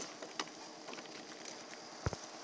তিনি শেষ করতে পারেন নি।